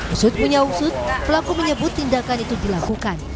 usut punya usut pelaku menyebut tindakan itu dilakukan